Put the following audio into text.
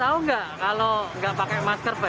udah tau nggak kalau nggak pakai masker pak